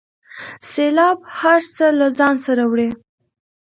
سیلاب هر څه له ځانه سره وړي.